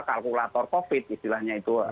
kalkulator covid istilahnya itu